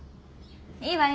いいわよ。